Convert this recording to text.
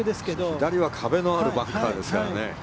左は壁のあるバンカーですからね。